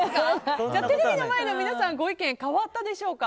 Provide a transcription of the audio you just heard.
テレビの前の皆さんご意見変わったでしょうか。